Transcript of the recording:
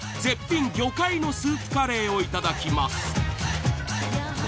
絶品魚介のスープカレーをいただきます。